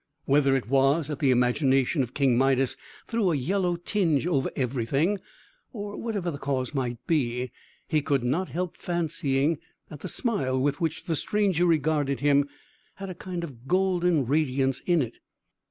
Whether it was that the imagination of King Midas threw a yellow tinge over everything, or whatever the cause might be, he could not help fancying that the smile with which the stranger regarded him had a kind of golden radiance in it.